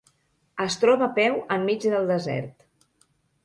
Es troba a peu enmig del desert.